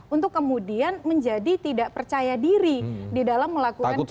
untuk kemudian menjadi tidak percaya diri di dalam melakukan